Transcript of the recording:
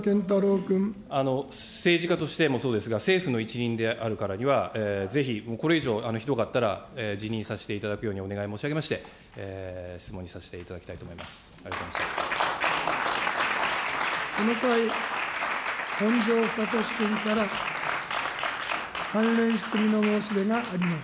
政治家としてもそうですが、政府の一員であるからには、ぜひこれ以上ひどかったら、辞任させていただくようにお願い申し上げまして、質問にさせていただきたいと思います。